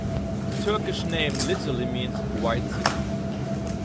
The Turkish name literally means "white city".